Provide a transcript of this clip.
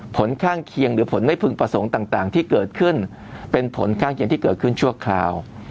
ผลข้างเคียงหรือผลไม่พึงประสงค์ต่างที่เกิดขึ้นเป็นผลข้างเคียงที่เกิดขึ้นชั่วคราว